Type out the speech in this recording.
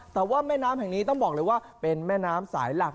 แต่ว่าแม่น้ำแห่งนี้ต้องบอกเลยว่าเป็นแม่น้ำสายหลัก